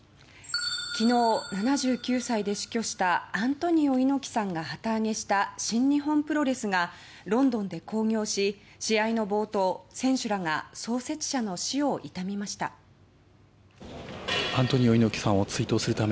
昨日７９歳で死去したアントニオ猪木さんが旗揚げした新日本プロレスがロンドンで興行し試合の冒頭、選手らが創設者の死を悼みました。